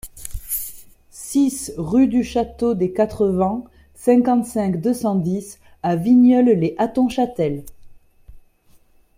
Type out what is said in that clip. six rue du Château des Quatre Vents, cinquante-cinq, deux cent dix à Vigneulles-lès-Hattonchâtel